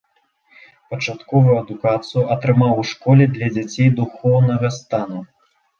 Пачатковую адукацыю атрымаў у школе для дзяцей духоўнага стану.